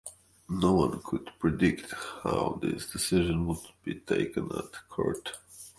No one could predict how this decision would be taken at court.